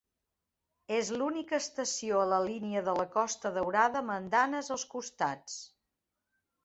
És l'única estació a la línia de la Costa Daurada amb andanes als costats.